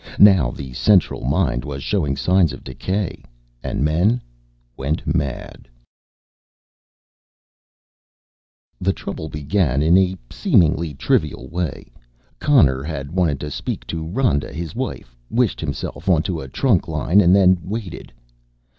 Now the central mind was showing signs of decay ... and men went mad._ Illustrated by BIRMINGHAM The trouble began in a seemingly trivial way. Connor had wanted to speak to Rhoda, his wife, wished himself onto a trunk line and then waited.